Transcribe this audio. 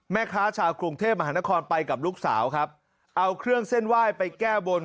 แม่ค้าชาวกรุงเทพมหานครไปกับลูกสาวครับเอาเครื่องเส้นไหว้ไปแก้บน